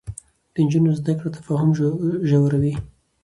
د نجونو زده کړه تفاهم ژوروي.